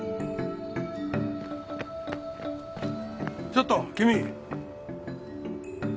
ちょっと君！